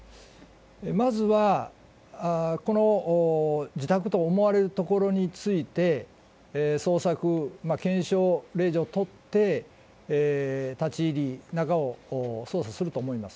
まずはこの自宅と思われる所について、捜索、検証令状を取って、立ち入り、中を捜査すると思います。